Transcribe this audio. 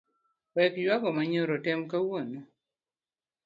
Wek yuago manyoro ten kawuono.